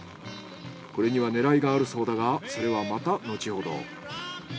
これには狙いがあるそうだがそれはまた後ほど。